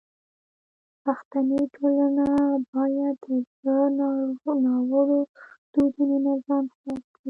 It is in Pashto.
پښتني ټولنه باید د زړو ناوړو دودونو نه ځان خلاص کړي.